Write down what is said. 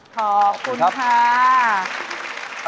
สวัสดีค่ะ